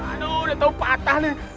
aduh udah tau patah nih